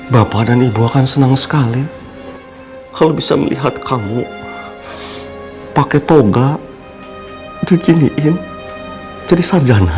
bapak dan ibu akan senang sekali kalau bisa melihat kamu pakai toga dikiniin jadi sarjana